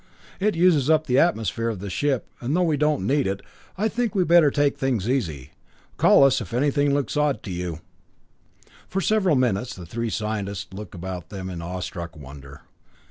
It uses up the atmosphere of the ship, and though we don't need it, I think we'd better take things easy. Call us if anything looks odd to you." For several minutes the three scientists looked about them in awe struck wonder.